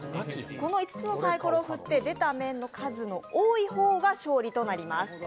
この５つのサイコロを振って出た面の数の多い方が勝利となります。